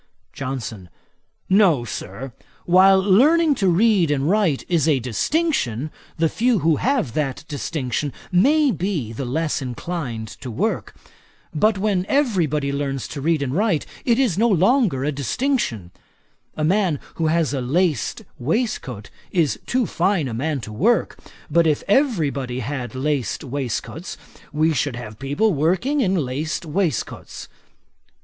JOHNSON. 'No, Sir. While learning to read and write is a distinction, the few who have that distinction may be the less inclined to work; but when every body learns to read and write, it is no longer a distinction. A man who has a laced waistcoat is too fine a man to work; but if every body had laced waistcoats, we should have people working in laced waistcoats.